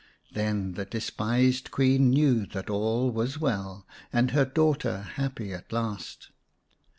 Then the despised Queen knew that all was well, and her daughter happy at last.